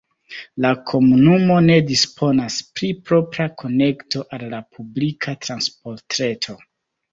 La komunumo ne disponas pri propra konekto al la publika transportreto.